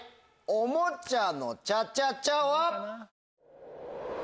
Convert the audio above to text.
『おもちゃのチャチャチャ』は？